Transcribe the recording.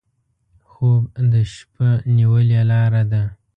خوب د شپه نیولې لاره ده